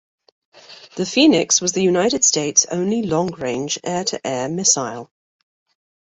The Phoenix was the United States' only long-range air-to-air missile.